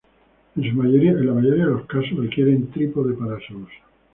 En la mayoría de los casos requieren trípode para su uso.